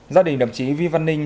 gia đình đồng chí vi văn ninh